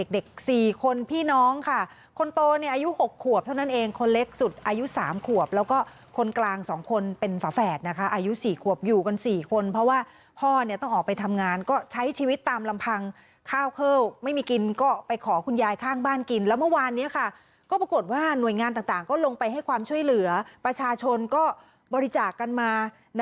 เด็ก๔คนพี่น้องค่ะคนโตอายุ๖ขวบเท่านั้นเองคนเล็กสุดอายุ๓ขวบแล้วก็คนกลาง๒คนเป็นฝาแฝดนะคะอายุ๔ขวบอยู่กัน๔คนเพราะว่าพ่อเนี่ยต้องออกไปทำงานก็ใช้ชีวิตตามลำพังข้าวเข้าไม่มีกินก็ไปขอคุณยายข้างบ้านกินแล้วเมื่อวานนี้ค่ะก็ปรากฏว่าหน่วยงานต่างก็ลงไปให้ความช่วยเหลือประชาชนก็บริจาคกันมา